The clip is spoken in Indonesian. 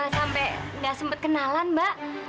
sampai gak sempet kenalan mbak